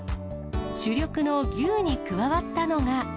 主力の牛に加わったのが。